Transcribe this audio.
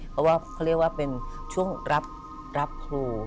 เขาเรียกว่าเป็นช่วงรับครู